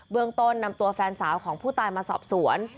เมืองต้นนำตัวแฟนสาวของผู้ตายมาสอบสวน